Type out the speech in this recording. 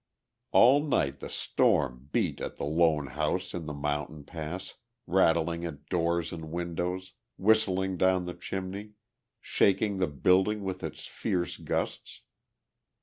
All night the storm beat at the lone house in the mountain pass, rattling at doors and windows, whistling down the chimney, shaking the building with its fierce gusts.